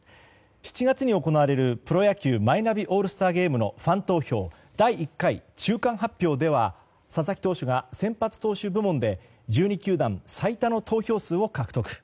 ７月に行われる、プロ野球マイナビオールスターゲームのファン投票第１回中間発表では佐々木投手が、先発投手部門で１２球団最多の投票数を獲得。